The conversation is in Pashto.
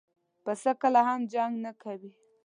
پسه کله هم جنګ نه کوي.